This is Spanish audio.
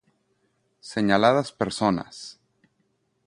Señaladas personas,